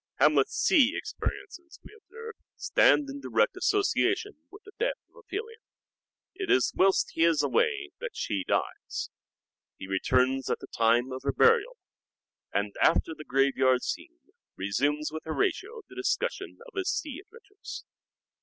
Hamlet's sea experiences we observe stand in direct association with the death of Ophelia. It is whilst he is away that she dies. He returns at the time of her burial, and after the graveyard scene resumes with Horatio the discussion of his sea adventures.